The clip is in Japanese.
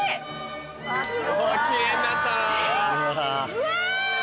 うわ！